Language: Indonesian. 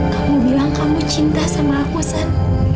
kau bilang kamu cinta sama aku aksan